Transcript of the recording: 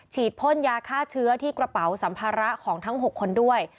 พ่นยาฆ่าเชื้อที่กระเป๋าสัมภาระของทั้ง๖คนด้วย